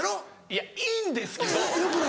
いやいいんですけど！